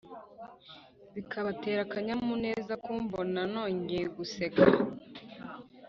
bikabatera akanyamuneza kumbona nongeye guseka